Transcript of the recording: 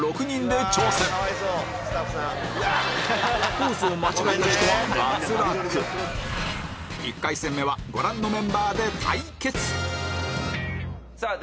ポーズを間違えた人は脱落１回戦目はご覧のメンバーで対決皆さん